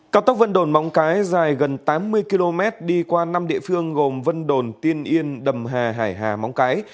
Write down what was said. cao tốc vân đồn móng cái dài gần tám mươi km đi qua năm địa phương gồm vân đồn tiên yên đầm hà hải hà móng cái